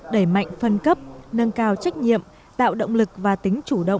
đẩy mạnh phân cấp nâng cao trách nhiệm tạo động lực và tính chủ động